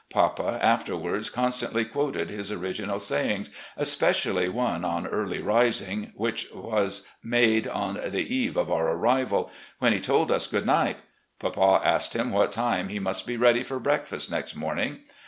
Papa afterwards con stantly quoted his original sayings, especially one on early rising, which was made on the eve of our arrival, when he told us good night. Papa asked him what time he must be ready for breakfast next morning.